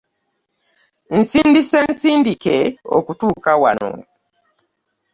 Nsindise nsindike okutuuka wano.